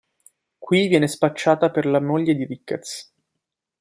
Qui viene spacciata per la moglie di Ricketts.